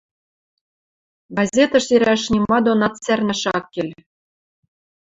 Газетӹш сирӓш нима донат цӓрнӓш ак кел.